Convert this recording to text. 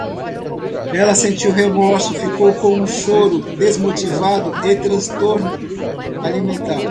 Ela sentiu remorso, ficou com choro desmotivado e transtorno alimentar